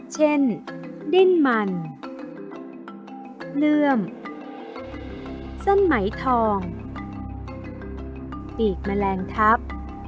เช่นดิ้นมันเลื่อมเส้นไหมทองปีกแมลงทัพ